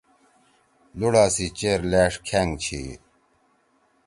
لُوڑا سی چیر لأݜ کھأنگ چھی۔